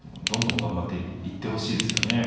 どんどん頑張っていってほしいですね。